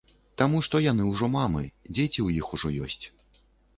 Таму што яны ўжо мамы, дзеці ў іх ужо ёсць.